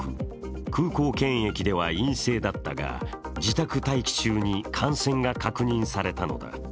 空港検疫では陰性だったが自宅待機中に感染が確認されたのだ。